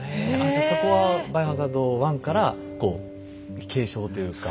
じゃそこは「バイオハザード１」からこう継承というか。